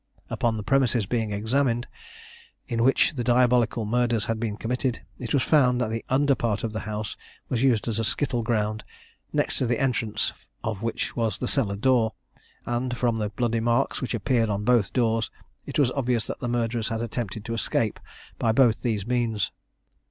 Upon the premises being examined, in which the diabolical murders had been committed, it was found that the under part of the house was used as a skittle ground, next to the entrance of which was the cellar door; and from the bloody marks which appeared on both doors, it was obvious that the murderers had attempted to escape by both those means.